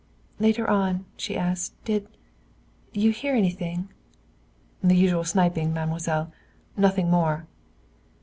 "Later on," she asked, "you did you hear anything?" "The usual sniping, mademoiselle. Nothing more."